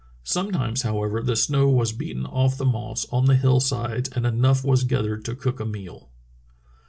Sometimes, however, the snow was beaten off the moss on the hill sides and enough was gathered to cook a meal."